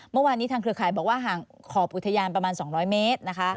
เมื่อวานนี้ทางเครือข่ายบอกว่าห่างขอบอุทยานประมาณ๒๐๐เมตรนะคะ